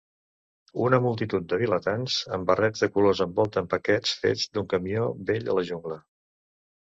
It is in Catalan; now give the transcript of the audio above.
Una multitud de vilatans amb barrets de colors envolten paquets fets d'un camió vell a la jungla.